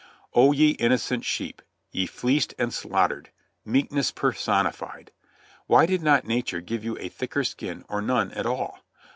O ye innocent sheep! Ye fleeced and slaughtered. Meekness personified! Why did not nature give you a thicker skin or none at all?